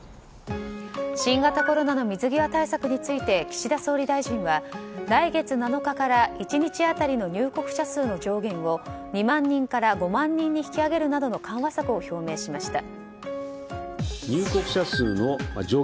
新型コロナの水際対策について岸田総理大臣は来月７日から１日当たりの入国者数の上限を２万人から５万人に引き上げるなどの緩和策を表明しました。